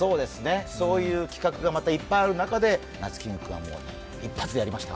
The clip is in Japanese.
そういう企画がいっぱいある中でなつキング君、一発でやりました。